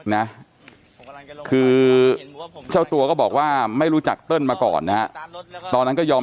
นะคือเจ้าตัวก็บอกว่าไม่รู้จักเติ้ลมาก่อนนะฮะตอนนั้นก็ยอม